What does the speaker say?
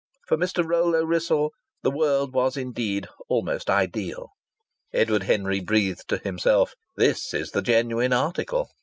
For Mr. Rollo Wrissell the world was indeed almost ideal. Edward Henry breathed to himself, "This is the genuine article."